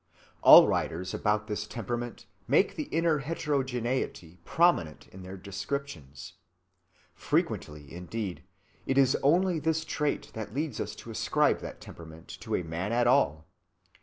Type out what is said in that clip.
All writers about that temperament make the inner heterogeneity prominent in their descriptions. Frequently, indeed, it is only this trait that leads us to ascribe that temperament to a man at all.